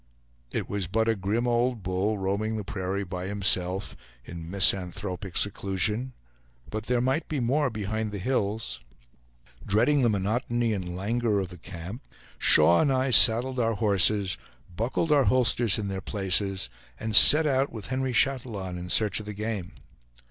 It was but a grim old bull, roaming the prairie by himself in misanthropic seclusion; but there might be more behind the hills. Dreading the monotony and languor of the camp, Shaw and I saddled our horses, buckled our holsters in their places, and set out with Henry Chatillon in search of the game.